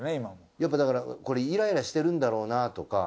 やっぱだからこれイライラしてるんだろうなとか。